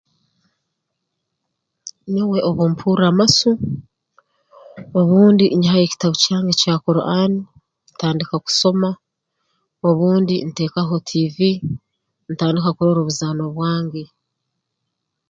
Nyowe obu mpurra amasu obundi nyihayo ekitabu kyange ekya Quran ntandika kusoma obundi nteekaho tiivi ntandika kurora obuzaano bwange